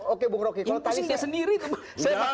oke bu roky kalau tadi saya